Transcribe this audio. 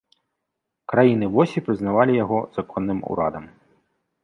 Краіны восі прызнавалі яго законным урадам.